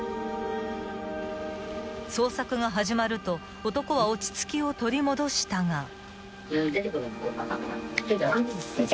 ［捜索が始まると男は落ち着きを取り戻したが］